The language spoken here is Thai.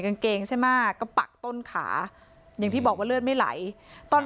กางเกงใช่ไหมก็ปักต้นขาอย่างที่บอกว่าเลือดไม่ไหลตอน